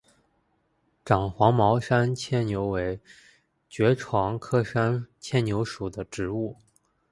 长黄毛山牵牛为爵床科山牵牛属的植物。